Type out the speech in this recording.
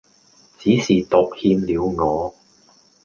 只是獨欠了我